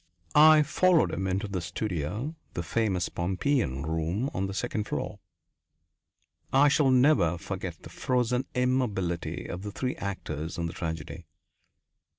I followed him into the studio, the famous Pompeian room, on the second floor. I shall never forget the frozen immobility of the three actors in the tragedy.